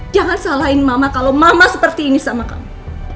jangan salahin mama kalau mama seperti ini sama kamu